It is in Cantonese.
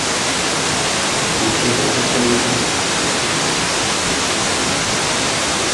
只聽到一堆音頻